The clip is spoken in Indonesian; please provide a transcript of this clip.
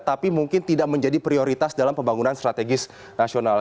tapi mungkin tidak menjadi prioritas dalam pembangunan strategis nasional